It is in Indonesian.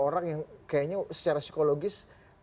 orang yang kayaknya secara psikologis